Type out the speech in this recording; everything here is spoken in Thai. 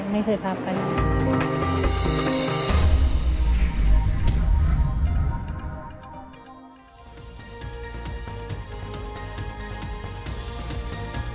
สวงไปอยู่ที่หองพักอยู่สมุนปาการ